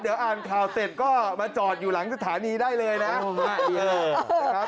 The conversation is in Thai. เดี๋ยวอ่านข่าวเสร็จก็มาจอดอยู่หลังสถานีได้เลยนะ